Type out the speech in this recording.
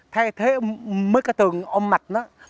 thay thế mấy cái tường ôm mặt